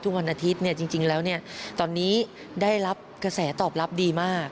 วันอาทิตย์จริงแล้วตอนนี้ได้รับกระแสตอบรับดีมาก